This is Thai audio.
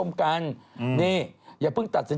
ยังไงคุณซูซี่